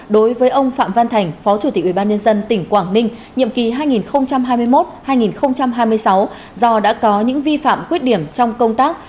đối với ông phạm văn thành phó chủ tịch ubnd tỉnh quảng ninh nhiệm kỳ hai nghìn hai mươi một hai nghìn hai mươi sáu do đã có những vi phạm khuyết điểm trong công tác